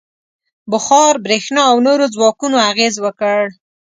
• بخار، برېښنا او نورو ځواکونو اغېز وکړ.